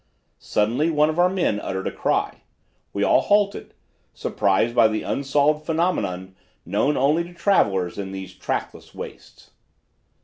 Suddenly one of our men uttered a cry. We all halted, surprised by an unsolved phenomenon known only to travelers in these trackless wastes.